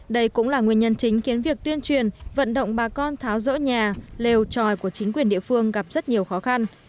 đây cũng là nguyên nhân chính khiến việc tuyên truyền vận động bà con tháo rỡ nhà lều tròi của chính quyền địa phương gặp rất nhiều khó khăn